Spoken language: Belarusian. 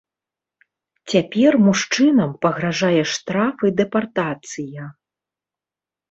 Цяпер мужчынам пагражае штраф і дэпартацыя.